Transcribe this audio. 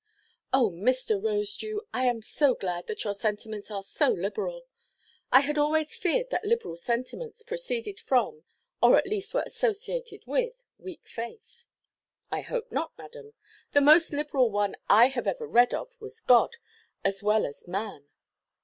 "Oh, Mr. Rosedew, I am so glad that your sentiments are so liberal. I had always feared that liberal sentiments proceeded from, or at least were associated with, weak faith." "I hope not, madam. The most liberal One I have ever read of was God as well as man.